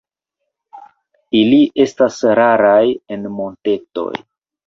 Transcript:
Ili estas raraj en montetoj.